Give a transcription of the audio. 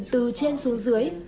từ trên xuống dưới